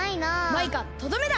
マイカとどめだ！